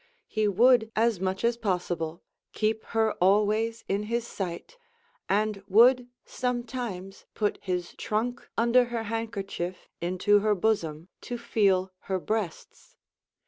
He would as much as possible keep her always in his sight, and would sometimes put his trunk under her handkerchief into her bosom, to feel her breasts.